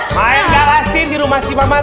main galasi di rumah si mamat